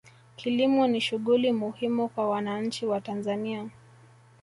kilimo ni shughuli muhimu kwa wananchi wa tanzania